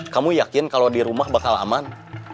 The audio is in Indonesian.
kamu yakin kalau di rumah bakal aman